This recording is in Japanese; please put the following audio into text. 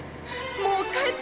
もう帰って！